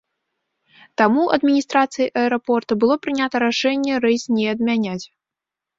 Таму адміністрацыяй аэрапорта было прынята рашэнне рэйс не адмяняць.